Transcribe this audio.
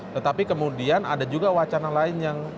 tetapi kemudian ada juga wacana lain yang